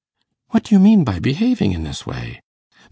'What do you mean by behaving in this way?